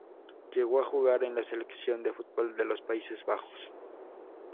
Llegó a jugar en la selección de fútbol de los Países Bajos.